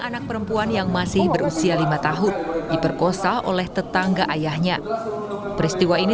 anak perempuan yang masih berusia lima tahun diperkosa oleh tetangga ayahnya peristiwa ini